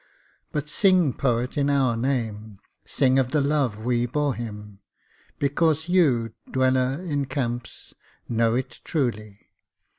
But sing poet in our name, Sing of the love we bore him because you, dweller in camps, know it truly.